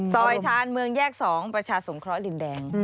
ชาญเมืองแยก๒ประชาสงเคราะห์ดินแดง